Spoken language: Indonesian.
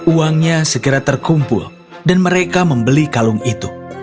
uangnya segera terkumpul dan mereka membeli kalung itu